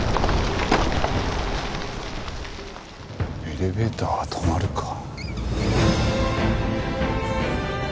エレベーターは止まるか。